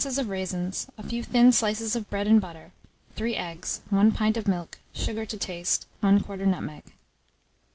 of raisins, a few thin slices of bread and butter, 3 eggs, 1 pint of milk, sugar to taste, 1/4 nutmeg.